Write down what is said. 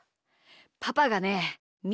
パパがねみ